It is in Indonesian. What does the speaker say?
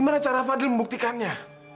ada cara fadil membuktikannya